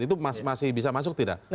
itu masih bisa masuk tidak